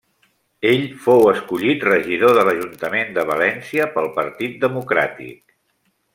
El fou escollit regidor de l'ajuntament de València pel Partit Democràtic.